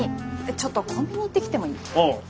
ちょっとコンビニ行ってきてもいい？ああ。